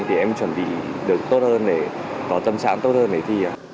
để em chuẩn bị được tốt hơn để có tâm sản tốt hơn để thi